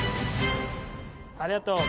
ありがとう。